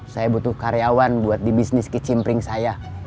saya butuh karyawan buat di bisnis kimpling saya